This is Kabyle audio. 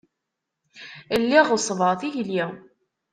Lliɣ ɣeṣṣbeɣ tikli.